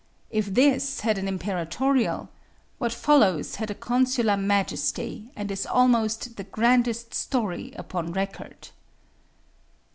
If this had an imperatorial what follows had a consular majesty, and is almost the grandest story upon record.